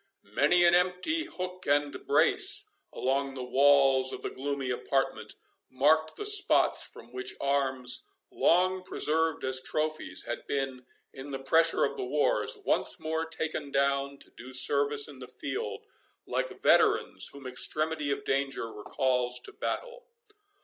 Many an empty hook and brace, along the walls of the gloomy apartment, marked the spots from which arms, long preserved as trophies, had been, in the pressure of the wars, once more taken down, to do service in the field, like veterans whom extremity of danger recalls to battle.